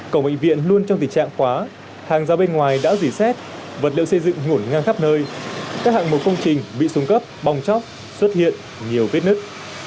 cầu bệnh viện luôn trong tình trạng quá hàng giao bên ngoài đã rỉ xét vật liệu xây dựng ngổn ngang khắp nơi các hạng mô công trình bị xuống cấp bong chóc xuất hiện nhiều vết nứt